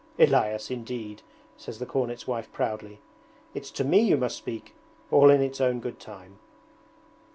'Elias, indeed!' says the cornet's wife proudly. 'It's to me you must speak! All in its own good time.'